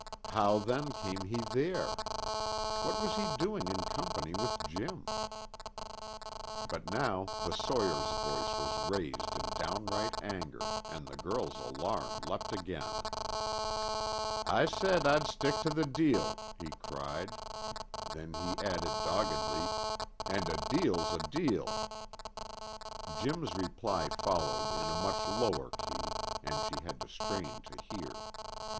How then came he there? What was he doing in company with Jim? But now the sawyer's voice was raised in downright anger, and the girl's alarm leapt again. "I said I'd stick to the deal," he cried. Then he added doggedly, "And a deal's a deal." Jim's reply followed in a much lower key, and she had to strain to hear.